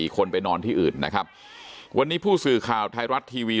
คนไปนอนที่อื่นนะครับวันนี้ผู้สื่อข่าวไทยรัฐทีวี